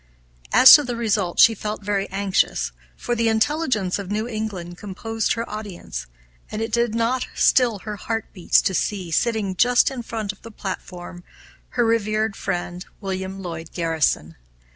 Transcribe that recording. As to the result she felt very anxious; for the intelligence of New England composed her audience, and it did not still her heart beats to see, sitting just in front of the platform, her revered friend, William Lloyd Garrison.